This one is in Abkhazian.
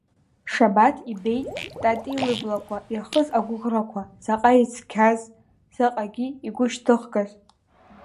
Шабаҭ ибеит Тати лыблақәа ирхыз агәыӷрақәа заҟа ицқьаз, заҟагьы игәышьҭыхгаз.